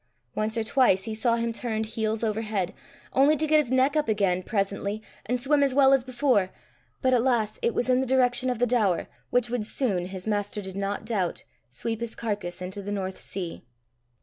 Once or twice he saw him turned heels over head only to get his neck up again presently, and swim as well as before. But alas! it was in the direction of the Daur, which would soon, his master did not doubt, sweep his carcase into the North Sea.